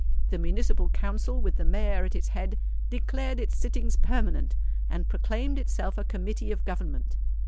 The Municipal Council, with the Mayor at its head, declared its sittings permanent, and proclaimed itself a Committee of Government.